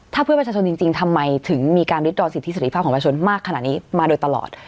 ถ้าเพื่อประชาชนจริงทำไมถึงมีการริดรอสิทธิเสร็จภาพของประชาชนมากขนาดนี้มาโดยตลอด